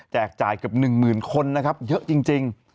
จ่ายเกือบ๑๐๐๐คนนะครับเยอะจริง